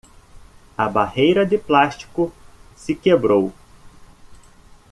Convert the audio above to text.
A barreira de plástico se quebrou.